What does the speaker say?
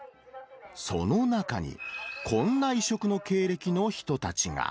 その中に、こんな異色の経歴の人たちが。